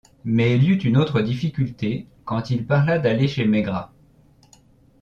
Mais il y eut une autre difficulté, quand il parla d’aller chez Maigrat.